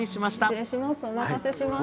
失礼します。